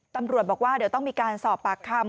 ตำรวจบอกว่าเดี๋ยวต้องมีการสอบปากคำ